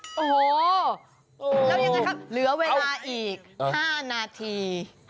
โอ้โหแล้วยังไงครับเหลือเวลาอีก๕นาที